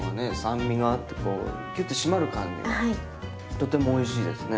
とてもおいしいですね。